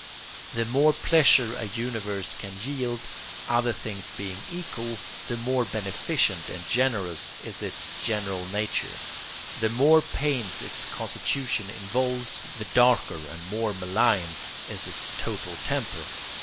The more pleasure a universe can yield, other things being equal, the more beneficent and generous is its general nature; the more pains its constitution involves, the darker and more malign is its total temper.